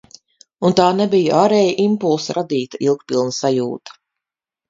Un tā nebija ārēja impulsa radīta ilgpilna sajūta.